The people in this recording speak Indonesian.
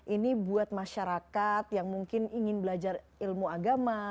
ini buat masyarakat yang mungkin ingin belajar ilmu agama